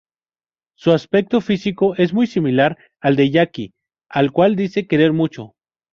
Su aspecto físico es muy similar al de Yuki, al cual dice querer mucho.